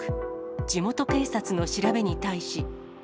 地元警察の調べに対し。